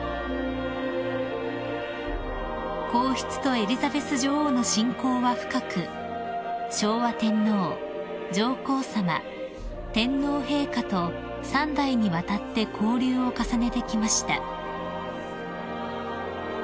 ［皇室とエリザベス女王の親交は深く昭和天皇上皇さま天皇陛下と三代にわたって交流を重ねてきました］